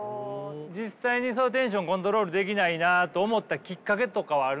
実際にそのテンションコントロールできないなって思ったきっかけとかはあるんですか？